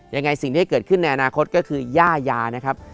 ยังไงสิ่งที่เกิดขึ้นในอนาคตก็คือย่ายานะครับ